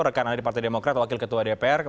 rekan rekan dari partai demokrat wakil ketua dpr